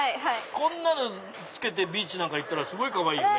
こんなの着けてビーチ行ったらすごいかわいいよね。